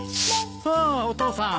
ああお父さん。